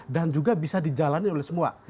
dan juga bisa dijalani oleh semua